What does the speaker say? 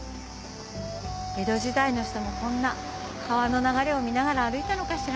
江戸時代の人もこんな川の流れを見ながら歩いたのかしら。